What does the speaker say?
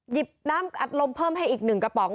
หยิบน้ำอัดลมเพิ่มให้อีก๑กระป๋อง